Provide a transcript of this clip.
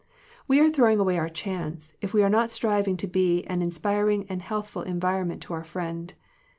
We are throwing away our chance, if we are not striving to be an inspiring and healthful environment to our friend.